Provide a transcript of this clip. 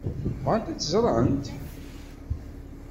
Bɣant ad tt-ẓrent?